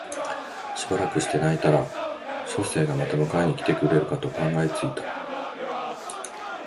しばらくして泣いたら書生がまた迎えに来てくれるかと考え付いた